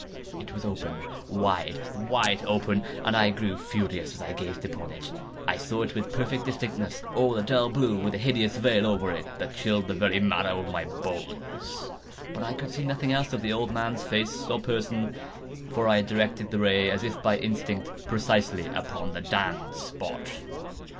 It was open—wide, wide open—and I grew furious as I gazed upon it. I saw it with perfect distinctness—all a dull blue, with a hideous veil over it that chilled the very marrow in my bones; but I could see nothing else of the old man's face or person: for I had directed the ray as if by instinct, precisely upon the damned spot.